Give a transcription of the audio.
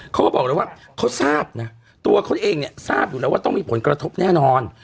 เขาก็บอกเลยว่าเขาทราบนะตัวเขาเองเนี่ยทราบอยู่แล้วว่าต้องมีผลกระทบแน่นอน